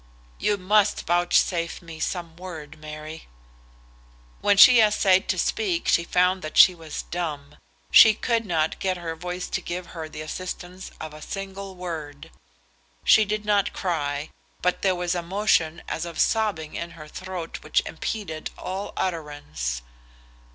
"You must vouchsafe me some word, Mary." When she essayed to speak she found that she was dumb. She could not get her voice to give her the assistance of a single word. She did not cry, but there was a motion as of sobbing in her throat which impeded all utterance.